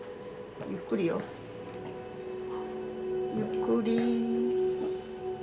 ゆっくりよゆっくり。